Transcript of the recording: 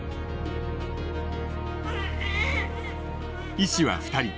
医師は２人。